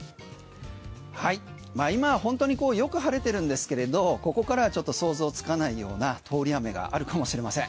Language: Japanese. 今本当によく晴れてるんですけれどここからはちょっと想像つかないような通り雨があるかもしれません。